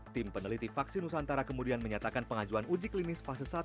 tim peneliti vaksin nusantara kemudian menyatakan pengajuan uji klinis fase satu